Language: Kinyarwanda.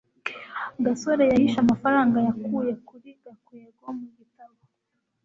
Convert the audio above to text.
gasore yahishe amafaranga yakuye kuri gakwego mu gitabo